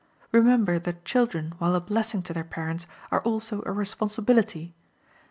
Remember that children, while a blessing to their parents, are also a responsibility.